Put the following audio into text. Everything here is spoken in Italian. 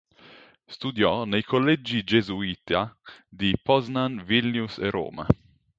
Studiò nei collegi gesuita di Poznań, Vilnius e Roma.